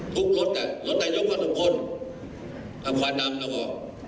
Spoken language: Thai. ทุกรถอ่ะรถนายกว่าสังคมทำควันน้ำแล้วก็